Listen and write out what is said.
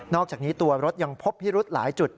อกจากนี้ตัวรถยังพบพิรุธหลายจุด